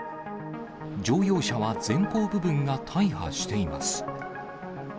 乗用車は前方部分が大破しています。